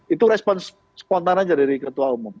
itu respon spontan aja dari ketua umum